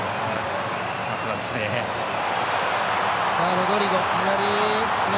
さすがですね。